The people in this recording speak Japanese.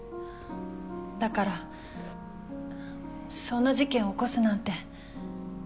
だからそんな事件を起こすなんて。